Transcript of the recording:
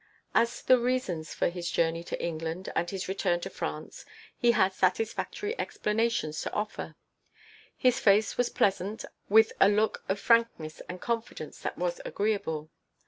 As to the reasons for his journey to England and his return to France he had satisfactory explanations to offer. His face was pleasant, with a look of frankness and confidence that was agreeable.